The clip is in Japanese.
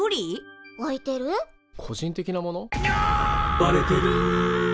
「バレてる」